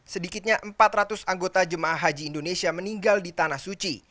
sedikitnya empat ratus anggota jemaah haji indonesia meninggal di tanah suci